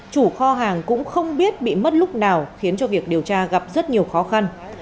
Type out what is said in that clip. chủ kho hàng cũng không biết bị mất lúc nào khiến cho việc điều tra gặp rất nhiều khó khăn